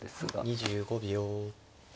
２５秒。